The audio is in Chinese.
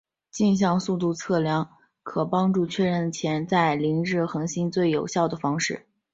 径向速度量测将可帮助确认潜在凌日恒星最有效的方式。